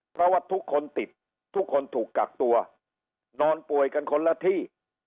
เพราะว่าทุกคนติดทุกคนถูกกักตัวนอนป่วยกันคนละที่